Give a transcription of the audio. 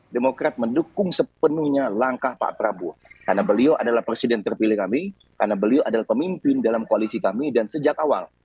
demokrat mendukung sepenuhnya langkah pak prabowo karena beliau adalah presiden terpilih kami karena beliau adalah pemimpin dalam koalisi kami dan sejak awal